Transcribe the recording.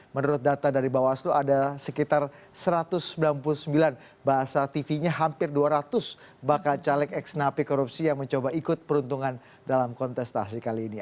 menurut data dari bawaslu ada sekitar satu ratus sembilan puluh sembilan bahasa tv nya hampir dua ratus bakal caleg ex napi korupsi yang mencoba ikut peruntungan dalam kontestasi kali ini